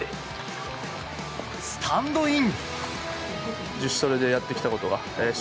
スタンドイン！